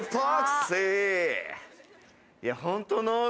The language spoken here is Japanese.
いやホント。